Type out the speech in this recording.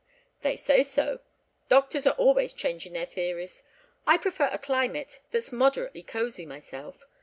"They say so. Doctors are always changing their theories. I prefer a climate that's moderately cosy myself.